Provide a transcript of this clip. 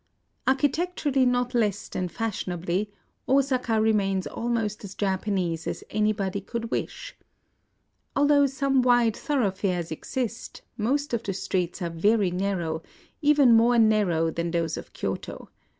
Architecturally not less than fashionably, Osaka remains almost as Japanese as anybody could wish. Although some wide thorough fares exist, most of the streets are very nar row, — even more narrow than those of Ky oto.